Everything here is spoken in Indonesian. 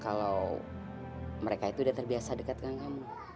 kalau mereka itu udah terbiasa dekat dengan kamu